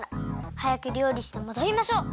はやくりょうりしてもどりましょう！